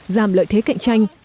giảm lợi thế cạnh tranh